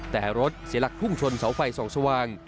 แต่รถเสียหลักพุ่งชนเสาไฟส่องสว่าง